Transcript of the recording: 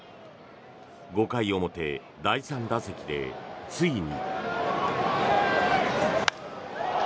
５回表、第３打席でついに。